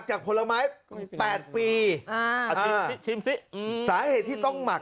อันนี้น้ำหมัก